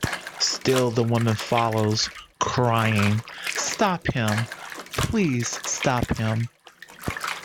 Still the woman follows, crying, "Stop him, please stop him!"